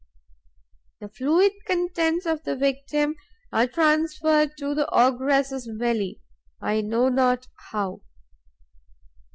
The fluid contents of the victim are transferred to the ogress' belly, I know not how.